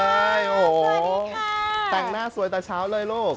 สวัสดีค่ะแต่งหน้าสวยแต่เช้าเลยลูก